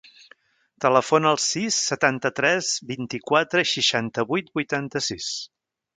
Telefona al sis, setanta-tres, vint-i-quatre, seixanta-vuit, vuitanta-sis.